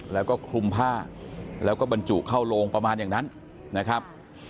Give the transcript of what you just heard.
แล้วก็คลุมผ้าแล้วก็บรรจุเข้าโรงประมาณอย่างนั้นนะครับ